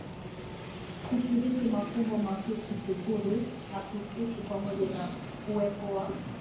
kushiriki mafumbo makuu kushukuru na kusifu pamoja na uwepo wa